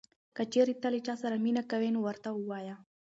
که چېرې ته له چا سره مینه کوې نو ورته ووایه.